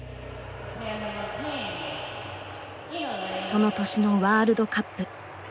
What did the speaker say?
その年のワールドカップ。